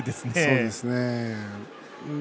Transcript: そうですね。